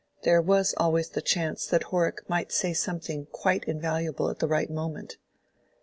There was always the chance that Horrock might say something quite invaluable at the right moment.